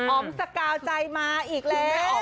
อ๋อมสกาวใจมาอีกแล้ว